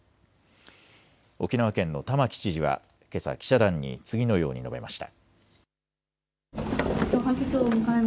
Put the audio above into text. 沖縄県の玉城知事はけさ記者団に次のように述べました。